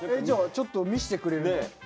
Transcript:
じゃあちょっと見してくれる？